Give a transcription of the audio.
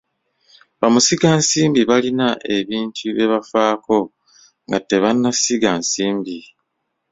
Bamusigansimbi balina ebintu bye bafaako nga tebannasiga nsimbi.